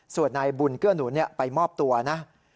ส่วนนายบุญเกื้อหนุนไปมอบตัวนะ